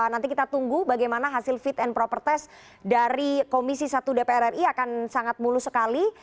nanti kita tunggu bagaimana hasil fit and proper test dari komisi satu dpr ri akan sangat mulus sekali